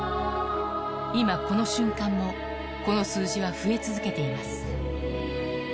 今、この瞬間もこの数字は増え続けています。